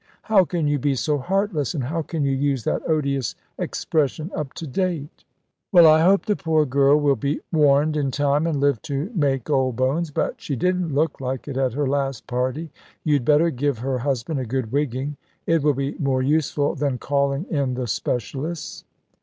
"How can you be so heartless, and how can you use that odious expression 'up to date'?" "Well, I hope the poor girl will be warned in time, and live to make old bones; but she didn't look like it at her last party. You'd better give her husband a good wigging. It will be more useful than calling in the specialists."